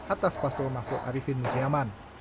atas paslo mahfud arifin mujiaman